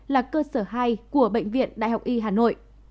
là cơ sở hai của bệnh viện đại học y hà nội